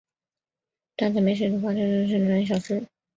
担仔面是一种发源于台湾台南的小吃。